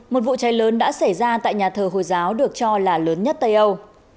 một vụ cháy lớn đã xảy ra tại nhà thờ hồi giáo được cho là lớn nhất tây âu